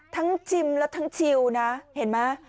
ชิมและทั้งชิวนะเห็นไหม